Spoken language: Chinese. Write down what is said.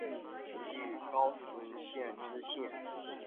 任直隶高淳县知县。